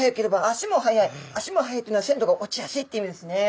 「足も早い」っていうのは鮮度が落ちやすいっていう意味ですね。